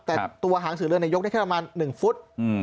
แต่ตัวหางเสือเรือนยกได้แค่ประมาณ๑ฟุต